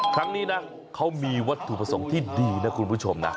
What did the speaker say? ครั้งนี้นะเขามีวัตถุประสงค์ที่ดีนะคุณผู้ชมนะ